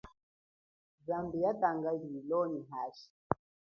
Zambi yatanga lilo nyi hashi.